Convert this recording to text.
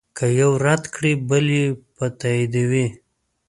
که یو رد کړې بل به یې تاییدوي.